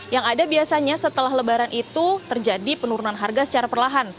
yang ada biasanya setelah lebaran itu terjadi penurunan harga secara perlahan